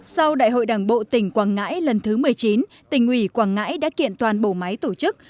sau đại hội đảng bộ tỉnh quảng ngãi lần thứ một mươi chín tỉnh ủy quảng ngãi đã kiện toàn bộ máy tổ chức